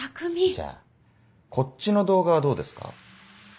じゃあこっちの動画はどうですか？